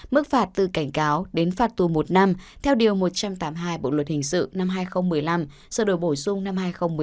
mức phạt từ cảnh cáo đến phạt tù một năm theo điều một trăm tám mươi hai bộ luật hình sự năm hai nghìn một mươi năm sửa đổi bổ sung năm hai nghìn một mươi bảy